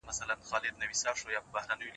حقوقپوهان به په ټولنه کي عدالت تامین کړي.